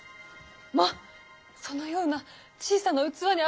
まぁそのような小さな器に足を。